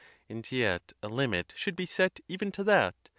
And yet a limit should be set even to that.